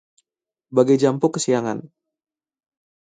Bagai jampuk kesiangan